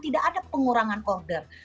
tidak ada pengurangan order